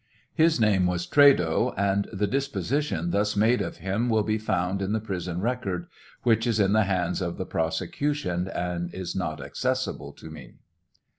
His name was Trado, and the disposition thus made of him will be found in the prison record, which is in the hands of the prosecution and is hot accessible to me.